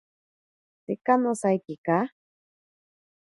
Tsika nosaikika.